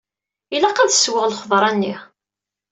Ilaq ad d-ssewweɣ lxeḍra-nni.